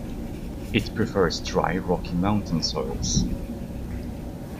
It prefers dry rocky mountain soils.